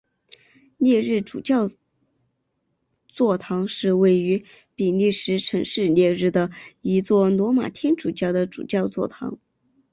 列日主教座堂是位于比利时城市列日的一座罗马天主教的主教座堂。